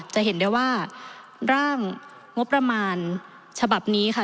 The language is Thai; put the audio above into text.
จะเห็นได้ว่าร่างงบประมาณฉบับนี้ค่ะ